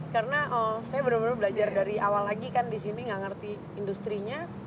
karena saya benar benar belajar dari awal lagi kan di sini gak ngerti industri nya